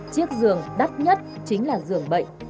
chiếc giường đắt nhất chính là giường bệnh